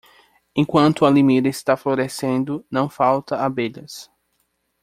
Enquanto a limeira está florescendo, não falta abelhas.